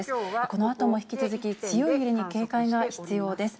このあとも引き続き、強い揺れに警戒が必要です。